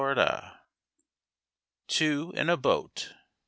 TWO IN A BOAT.